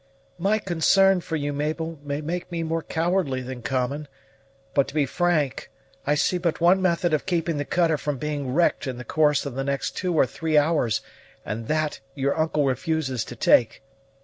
"My concern for you, Mabel, may make me more cowardly than common; but, to be frank, I see but one method of keeping the cutter from being wrecked in the course of the next two or three hours, and that your uncle refuses to take.